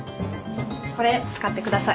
これ使ってください。